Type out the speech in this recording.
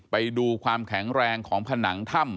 ไปดูความแข็งแรงของผนังถ้ำ